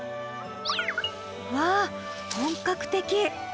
わあ本格的！